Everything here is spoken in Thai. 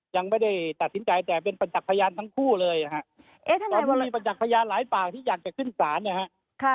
ยังไม่ได้ตัดสินใจแต่เป็นปัจจักรพยานทั้งคู่เลยครับแล้วมีปัจจักรพยานหลายปากที่อยากจะขึ้นศาลนะฮะ